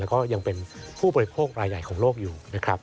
แล้วก็ยังเป็นผู้บริโภครายใหญ่ของโลกอยู่นะครับ